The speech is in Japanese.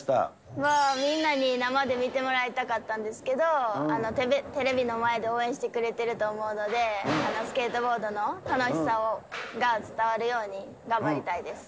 まあ、みんなに生で見てもらいたかったんですけど、テレビの前で応援してくれてると思うので、スケートボードの楽しさが伝わるように、頑張りたいです。